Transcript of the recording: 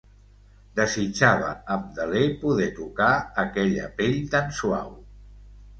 Desitjava amb deler poder tocar aquella pell tan suau.